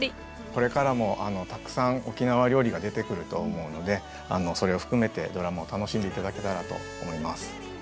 これからもたくさん沖縄料理が出てくると思うのでそれを含めてドラマを楽しんで頂けたらと思います。